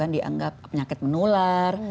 dianggap penyakit menular